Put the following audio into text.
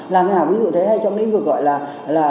làm thế nào ví dụ thế hay trong lĩnh vực gọi là